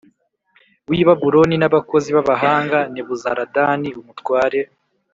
w i Babuloni n abakozi b abahanga Nebuzaradani umutware